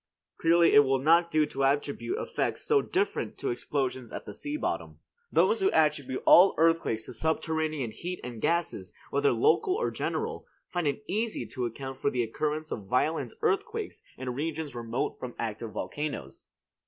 Clearly it will not do to attribute effects so different to explosions at the sea bottom. Those who attribute all earthquakes to subterranean heat and gases, whether local or general, find it easy to account for the occurrence of violent earthquakes in regions remote from active volcanoes.